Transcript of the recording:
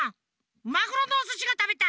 マグロのおすしがたべたい！